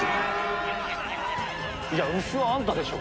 いや牛はあんたでしょ。